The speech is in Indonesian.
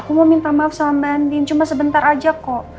aku mau minta maaf sama banding cuma sebentar aja kok